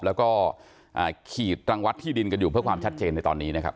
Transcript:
แล้วก็ขีดรังวัดที่ดินกันอยู่เพื่อความชัดเจนในตอนนี้นะครับ